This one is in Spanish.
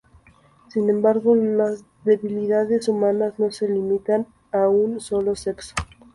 Sin embargo, las debilidades humanas no se limitan a un solo sexo.